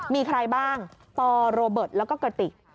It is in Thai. มีใครบ้างปโรเบิร์ตแล้วก็กระติก